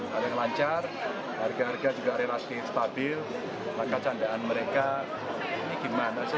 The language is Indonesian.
paling lancar harga harga juga relatif stabil maka candaan mereka ini gimana sih